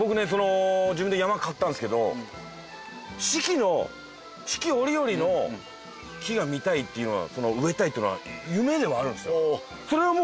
自分で山買ったんですけど四季の四季折々の木が見たいっていうのが植えたいっていうのが夢でもあるんですよ。